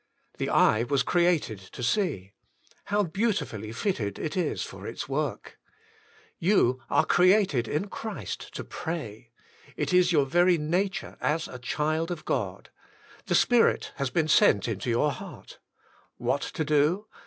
'' The eye was created to see : how beautifully fitted it is for its work ! You are created in Christ to pray. It is your very nature as a child of God ; the Spirit has been sent into your heart — ^what to do?